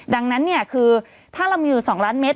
ดังนั้นเนี่ยคือถ้าเรามีอยู่๒ล้านเมตร